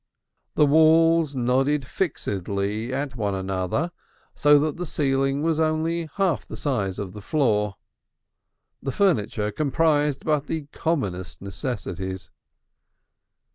The walls nodded fixedly to one another so that the ceiling was only half the size of the floor. The furniture comprised but the commonest necessities.